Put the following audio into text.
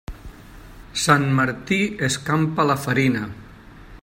Sant Martí escampa la farina.